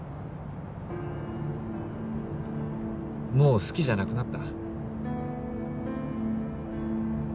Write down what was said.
もう好きじゃなくなった？